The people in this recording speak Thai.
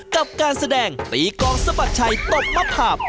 กับการแสดงตีกองสมัครชัยตกมภาพ